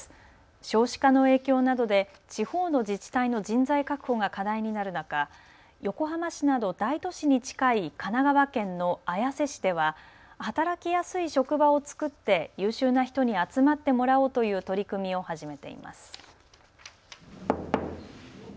少子化の影響などで地方の自治体の人材確保が課題になる中、横浜市など大都市に近い神奈川県の綾瀬市では働きやすい職場を作って優秀な人に集まってもらおうという取り組みを始めています。